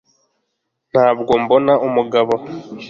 Ntabwo mbona umugabo